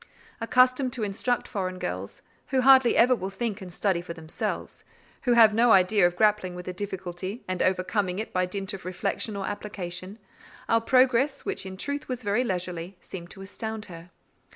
Accustomed to instruct foreign girls, who hardly ever will think and study for themselves—who have no idea of grappling with a difficulty, and overcoming it by dint of reflection or application—our progress, which in truth was very leisurely, seemed to astound her.